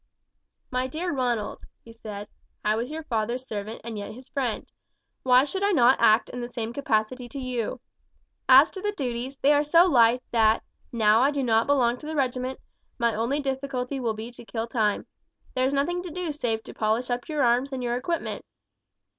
"My dear Ronald," he said, "I was your father's servant, and yet his friend. Why should I not act in the same capacity to you? As to the duties, they are so light that, now I do not belong to the regiment, my only difficulty will be to kill time. There is nothing to do save to polish up your arms and your equipment.